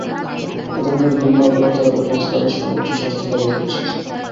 এ ধরনের ঘৃণ্য অপরাধ যারা ঘটিয়েছে, তাদের সর্বোচ্চ শাস্তি দাবি করছি।